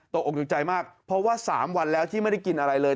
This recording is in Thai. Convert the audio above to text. ตกออกตกใจมากเพราะว่า๓วันแล้วที่ไม่ได้กินอะไรเลย